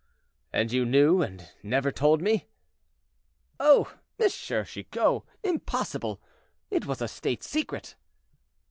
"And you knew, and never told me?" "Oh! M. Chicot, impossible! It was a state secret."